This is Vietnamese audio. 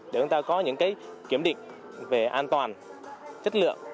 để chúng ta có những kiểm định về an toàn chất lượng